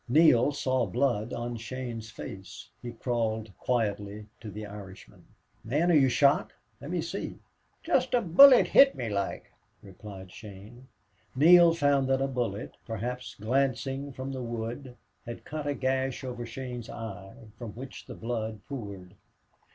Neale then saw blood on Shane's face. He crawled quietly to the Irishman. "Man, are you shot? Let me see." "Jist a bullet hit me, loike," replied Shane. Neale found that a bullet, perhaps glancing from the wood, had cut a gash over Shane's eye, from which the blood poured.